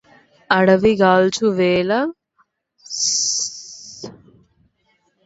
అడవి గాల్చు వేళ నగ్నికి సాయమై